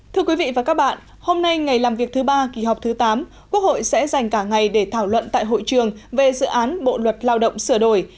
thưa quý vị và các bạn hôm nay ngày làm việc thứ ba kỳ họp thứ tám quốc hội sẽ dành cả ngày để thảo luận tại hội trường về dự án bộ luật lao động sửa đổi